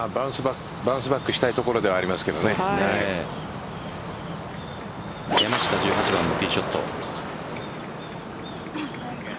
バウンスバックしたいところでは山下、１８番のティーショット。